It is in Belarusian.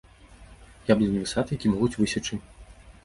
Яблыневы сад, які могуць высечы.